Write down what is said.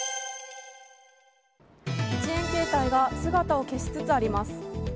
１円携帯が姿を消しつつあります。